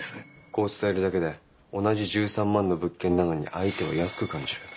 こう伝えるだけで同じ１３万の物件なのに相手は安く感じる。